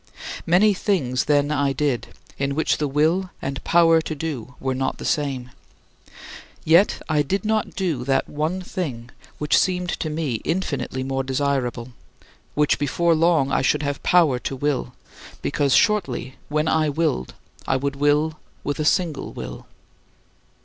Many things then I did, in which the will and power to do were not the same. Yet I did not do that one thing which seemed to me infinitely more desirable, which before long I should have power to will because shortly when I willed, I would will with a single will.